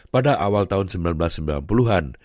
pada awal tahun seribu sembilan ratus sembilan puluh an